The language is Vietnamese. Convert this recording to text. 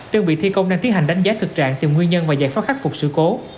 đơn vị thi công đang tiến hành đánh giá thực trạng tìm nguyên nhân và giải pháp khắc phục sự cố